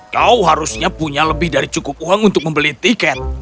kau harusnya punya lebih dari cukup uang untuk membeli tiket